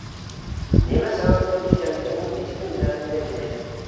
نېمە سەۋەبتىن ئىكەنلىكىنى ھېچكىم بىلەلمىگەن ئىدى.